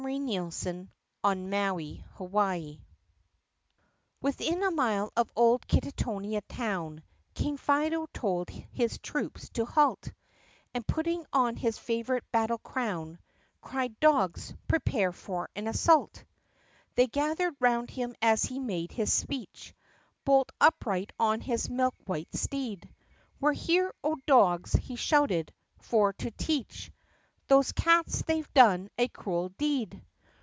CHAPTER XVIII i Within a mile of old Kittonia Town King Fido told his troops to halt And putting on his favorite battle crown Cried, "Dogs, prepare for an assault!" They gathered round him as he made his speech Bolt upright on his milk white steed. "We 're here, O dogs!" he shouted, "for to teach Those cats they 've done a cruel deed